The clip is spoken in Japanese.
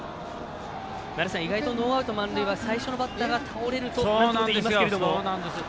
意外とノーアウト満塁は最初のバッターが倒れるとといいますが。